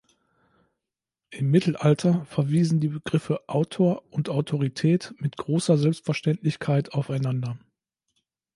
Im Mittelalter verwiesen die Begriffe Autor und Autorität mit großer Selbstverständlichkeit aufeinander.